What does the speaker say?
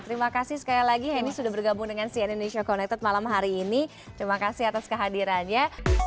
terima kasih sekali lagi henny sudah bergabung dengan cn indonesia connected malam hari ini terima kasih atas kehadirannya